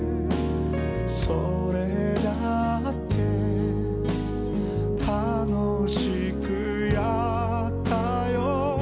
「それだって楽しくやったよ」